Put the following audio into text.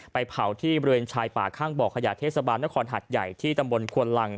เผาที่บริเวณชายป่าข้างบ่อขยะเทศบาลนครหัดใหญ่ที่ตำบลควนลัง